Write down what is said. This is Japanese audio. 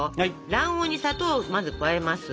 卵黄に砂糖をまず加えます。